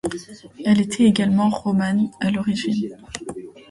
Elle était également romane à l'origine.